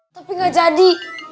tapi gak jadi